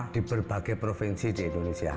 di berbagai provinsi di indonesia